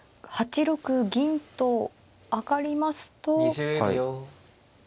８六銀と上がりますと。